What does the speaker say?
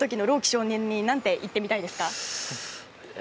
少年に何て言ってみたいですか？